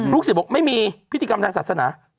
ศิษย์บอกไม่มีพิธีกรรมทางศาสนา